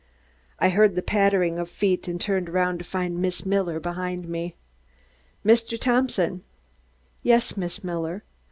I heard the pattering of feet and turned to find Miss Miller behind me. "Mr. Thompson." "Yes, Miss Miller."